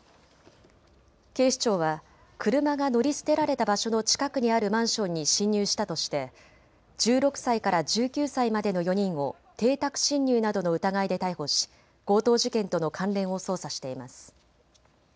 警視庁は車が乗り捨てられた場所の近くにあるマンションに侵入したとして１６歳から１９歳までの４人を邸宅侵入などの疑いで逮捕し強盗事件との関連を捜査しています。